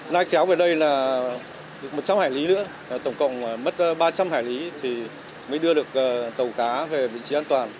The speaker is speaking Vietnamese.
lai kéo về đây là một trăm linh hải lý nữa tổng cộng mất ba trăm linh hải lý thì mới đưa được tàu cá về vị trí an toàn